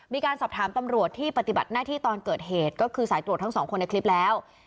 มีการสอบถามตำรวจที่ปฏิบัติหน้าที่ตอนเกิดเหตุก็คือสายตรวจทั้งสองคนในคลิปแล้ว